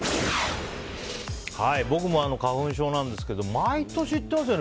僕も花粉症なんですけど毎年言ってますよね